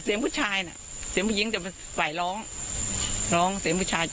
จะเสียงผู้ชายน่ะเสียงผู้หญิงจะไปร้องร้องเสียงผู้ชายจะ